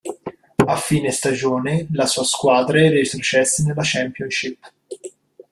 A fine stagione, la sua squadre retrocesse nella Championship.